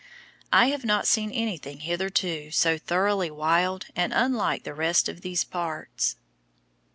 I have not seen anything hitherto so thoroughly wild and unlike the rest of these parts.